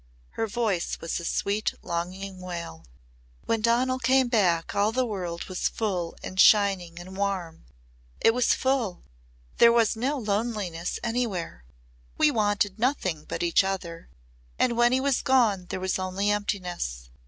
her voice was a sweet longing wail. "When Donal came back all the world was full and shining and warm! It was full. There was no loneliness anywhere. We wanted nothing but each other. And when he was gone there was only emptiness!